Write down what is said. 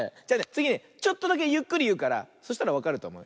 つぎねちょっとだけゆっくりいうからそしたらわかるとおもう。